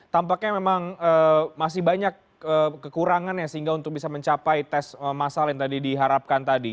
tampaknya memang masih banyak kekurangannya sehingga untuk bisa mencapai tes masal yang tadi diharapkan tadi